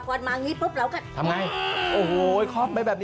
เห็นอย่างไรครับโอ้โฮควัน